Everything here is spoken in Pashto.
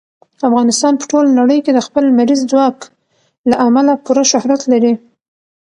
افغانستان په ټوله نړۍ کې د خپل لمریز ځواک له امله پوره شهرت لري.